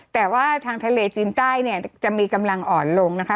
แต่ว่าทางทะเลจีนใต้เนี่ยจะมีกำลังอ่อนลงนะคะ